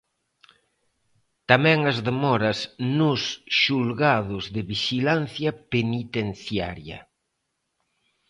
Tamén as demoras nos xulgados de Vixilancia Penitenciaria.